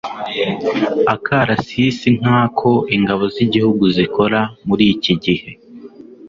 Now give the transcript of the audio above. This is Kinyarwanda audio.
akarasisi nk'ako ingabo z'igihugu zikora muri iki gihe